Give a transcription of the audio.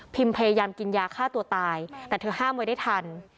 พยายามกินยาฆ่าตัวตายแต่เธอห้ามไว้ได้ทัน